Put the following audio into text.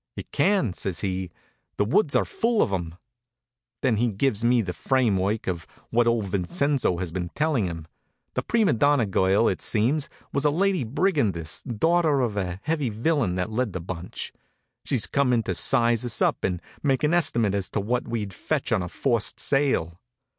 "It can," says he. "The woods are full of 'em." Then he gives me the framework of what old Vincenzo had been telling him. The prima donna girl, it seems, was a lady brigandess, daughter of the heavy villain that led the bunch. She'd come in to size us up and make an estimate as to what we'd fetch on a forced sale.